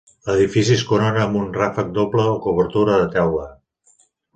L'edifici es corona amb un ràfec doble o cobertura de teula.